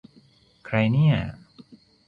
ใครเนี่ย !